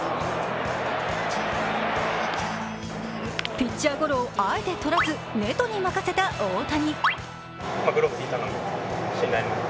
ピッチャーゴロをあえてとらずネトに任せた大谷。